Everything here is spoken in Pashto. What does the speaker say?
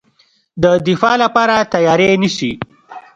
د دفاع لپاره تیاری نیسي.